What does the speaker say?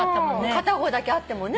片方だけあってもね